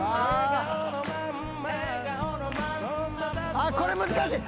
あっこれ難しい！